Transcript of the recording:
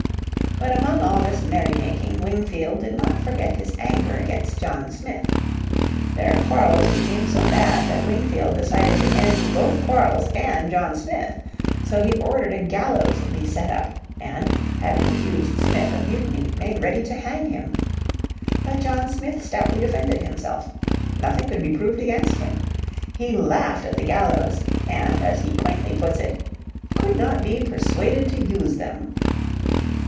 But among all this merry making Wingfield did not forget his anger against John Smith. Their quarrels became so bad that Wingfield decided to end both quarrels and John Smith. So he ordered a gallows to be set up and, having accused Smith of mutiny, made ready to hang him. But John Smith stoutly defended himself. Nothing could be proved against him. He laughed at the gallows, and as he quaintly puts it "could not be persuaded to use them."